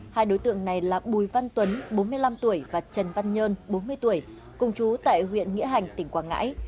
hai đối tượng này là bùi văn tuấn bốn mươi năm tuổi và trần văn nhơn bốn mươi tuổi cùng chú tại huyện nghĩa hành tỉnh quảng ngãi